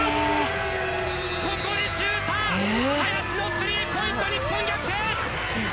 ここでシューター林のスリーポイント、日本逆転！